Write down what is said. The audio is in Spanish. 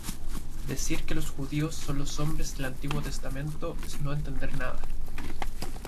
Decir que los judíos son los hombres del antiguo testamento es no entender nada.